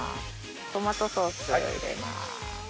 トマトソースを入れます。